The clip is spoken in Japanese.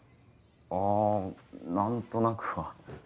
あ何となくは。